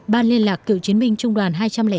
ban liên lạc cựu chiến binh trung đoàn hai trăm linh năm